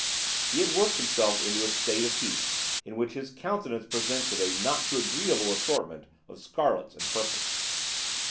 He had worked himself into a state of heat in which his countenance presented a not too agreeable assortment of scarlets and purples.